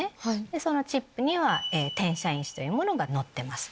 そのチップには転写因子というものがのってます。